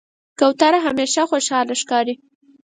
کوتره همیشه خوشحاله ښکاري.